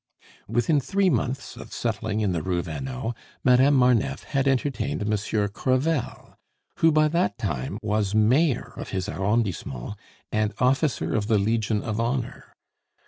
Within three months of settling in the Rue Vanneau, Madame Marneffe had entertained Monsieur Crevel, who by that time was Mayor of his arrondissement and Officer of the Legion of Honor.